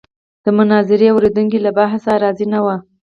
د مناظرې اورېدونکي له بحث څخه راضي نه وو.